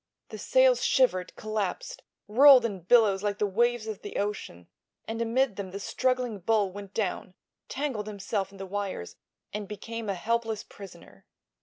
The sails shivered, collapsed, rolled in billows like the waves of the ocean, and amid them the struggling bull went down, tangled himself in the wires and became a helpless prisoner.